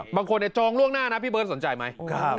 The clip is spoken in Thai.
บางคนจองล่วงหน้านะพี่เบิร์ตสนใจไหม